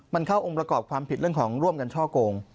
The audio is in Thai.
มันเข้าองค์ประกอบความผิดเรื่องของร่วมกันช่อกง